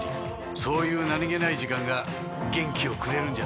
そういう何げない時間が元気をくれるんじゃないかって。